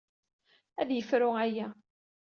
Ad yefru aya.